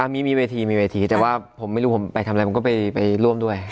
มีเวทีมีเวทีแต่ว่าผมไม่รู้ผมไปทำอะไรผมก็ไปร่วมด้วย